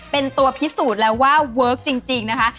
เป็นตัวพิสูจน์แล้วว่าเวิร์คจริงนะคะ